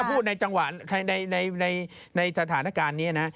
พูดในจังหวะในสถานการณ์นี้นะ